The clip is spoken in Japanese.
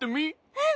うん。